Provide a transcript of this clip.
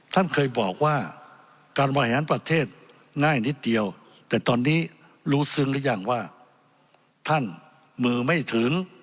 ท่านเคยบอกว่าการบริหารประเทศง่ายนิดเดียวแต่ตอนนี้รู้ซึ้งหรือยังว่าท่านมือไม่ถึง